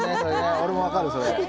俺も分かるそれ。